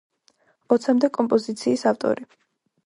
ოცამდე კომპოზიციის ავტორი.